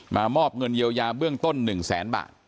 มอบเงินเยียวยาเบื้องต้น๑แสนบาท